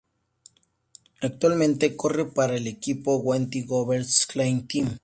Actualmente corre para el equipo Wanty-Gobert Cycling Team.